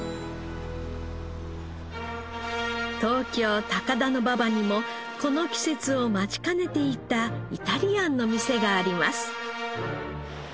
東京高田馬場にもこの季節を待ちかねていたイタリアンの店があります。